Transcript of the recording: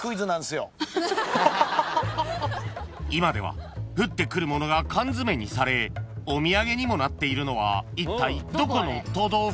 ［今では降ってくるものが缶詰にされお土産にもなっているのはいったいどこの都道府県？］